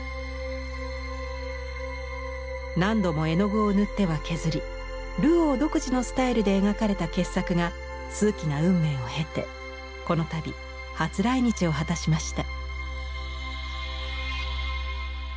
何度も絵の具を塗っては削りルオー独自のスタイルで描かれた傑作が数奇な運命を経てこのたび初来日を果たしました。